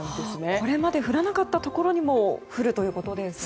これまで降らなかったところにも降るということですね。